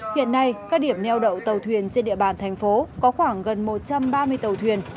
hiện nay các điểm neo đậu tàu thuyền trên địa bàn thành phố có khoảng gần một trăm ba mươi tàu thuyền